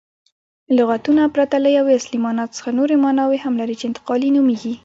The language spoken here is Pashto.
لغتونه پرته له یوې اصلي مانا څخه نوري ماناوي هم لري، چي انتقالي نومیږي.